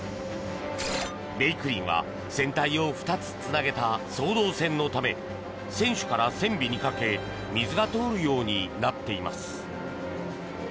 「べいくりん」は船体を２つつなげた双胴船のため船首から船尾にかけ水が通るようになっています。